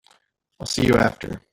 I'll see you after.